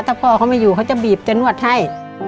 ถ้าพ่อเขาไม่อยู่เขาจะบีบจะนวดให้